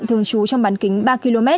thường trú trong bán kính ba km